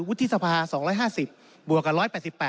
วุฒิศภา๒๕๐กับ๑๘๘